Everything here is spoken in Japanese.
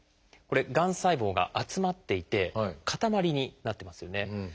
がん細胞が集まっていてかたまりになってますよね。